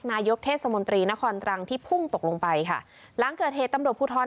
นายกเทศมนตรีนครตรังที่พุ่งตกลงไปค่ะหลังเกิดเหตุตำรวจภูทร